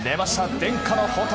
伝家の宝刀